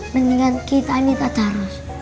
mendingan kita ini tak harus